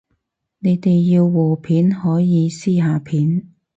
你哋要互片可以私下片